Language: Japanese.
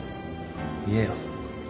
言えよ。